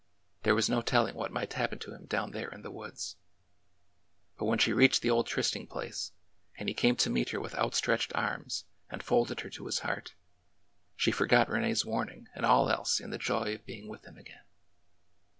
There was no telling what might happen to him down there in the woods. But when she reached the old trysting place, and he came to meet her with outstretched arms and folded her to his heart, she forgot Rene's warning and all else in the joy of being with him again.